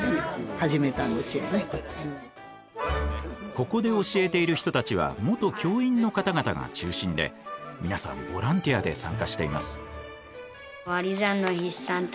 ここで教えている人たちは元教員の方々が中心で皆さんボランティアで参加しています。